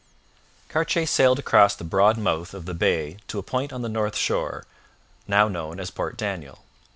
Cartier sailed across the broad mouth of the bay to a point on the north shore, now known as Port Daniel.